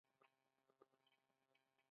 ما خپلو ټولو کړو وړو ته هم بې پایه پام کاوه.